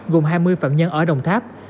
gồm hai mươi phạm nhân ở đồng tháp